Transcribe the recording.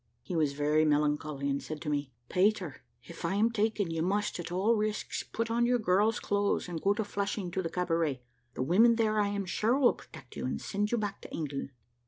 He was very melancholy, and said to me, "Peter, if I am taken, you must, at all risks, put on your girl's clothes and go to Flushing to the cabaret. The women there, I am sure, will protect you, and send you back to England.